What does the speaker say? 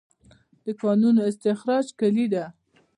د کانونو استخراج کلي ده؟